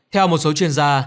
theo một số chuyên gia